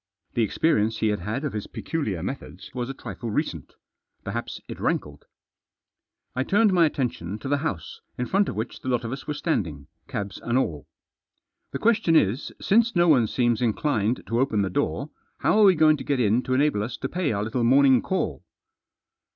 The experience he had had of his peculiar methods was a trifle recent. Perhaps it rankled. I turned my attention to the house in front of which the lot of us were standing, cabs and all. " The question is, since no one seems inclined to open the door, how we are going to get in to enable us to pay our little morning call."